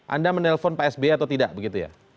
anda menelpon pak sby atau tidak begitu ya